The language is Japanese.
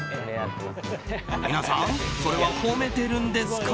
皆さんそれは褒めているんですか？